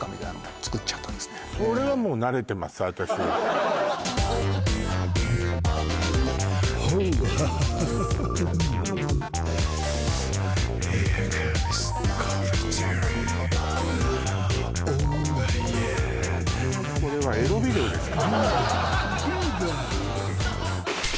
これはこれはエロビデオですか？